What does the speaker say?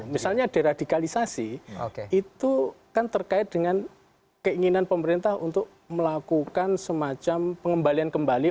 misalnya deradikalisasi itu kan terkait dengan keinginan pemerintah untuk melakukan semacam pengembalian kembali